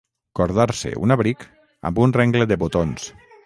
Cordar-se, un abric, amb un rengle de botons.